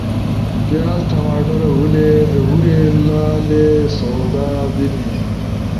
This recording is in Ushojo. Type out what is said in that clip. پیاز، ٹماٹڑ حوری لالی سؤدا بینی.